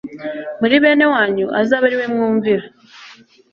muri bene wanyu azabe ari we mwumvira'."